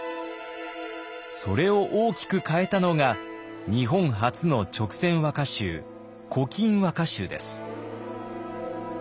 それを大きく変えたのが日本初の勅撰和歌集「古今和歌集」です。